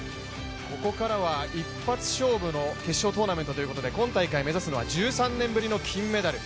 ここからは一発勝負の決勝トーナメントということで今大会、目指すのは１３年ぶりの金メダル。